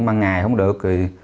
ban ngày không được